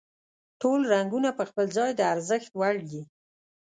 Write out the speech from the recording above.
ټول رنګونه په خپل ځای د ارزښت وړ دي.